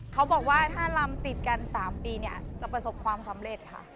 เขาบอกว่าถ้าลำติดกัน๓ปีเนี่ยจะประสบความสำเร็จค่ะ